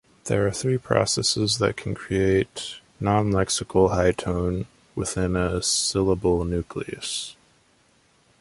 There are three processes that can create non-lexical high tone within a syllable nucleus.